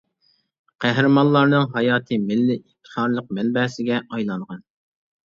قەھرىمانلارنىڭ ھاياتى مىللىي ئىپتىخارلىق مەنبەسىگە ئايلانغان.